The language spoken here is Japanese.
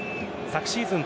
昨シーズン